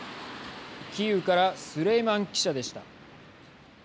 キーウからスレイマン記者でした。